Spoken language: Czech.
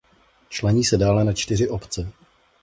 Člení se dále na čtyři obce.